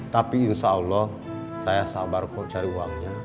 tapi insya allah saya sabar kok cari uangnya